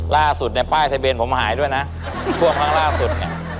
ล่าสุดในป้ายทะเบนผมหายด้วยนะท่วมข้างล่าสุด